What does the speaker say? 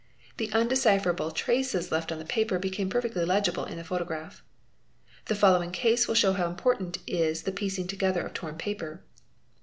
T he undecipherable traces left on the paper became perfectly legible in the photograph. The following case will show how important is the rains togethe of torn paper.